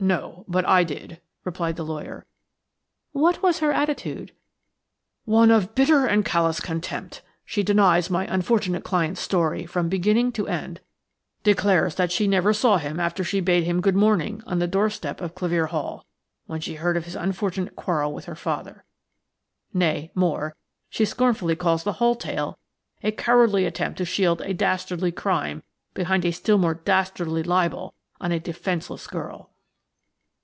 "No; but I did," replied the lawyer. "What was her attitude?" "One of bitter and callous contempt. She denies my unfortunate client's story from beginning to end; declares that she never saw him after she bade him 'good morning' on the doorstep of Clevere Hall, when she heard of his unfortunate quarrel with her father. Nay, more; she scornfully calls the whole tale a cowardly attempt to shield a dastardly crime behind a still more dastardly libel on a defenceless girl."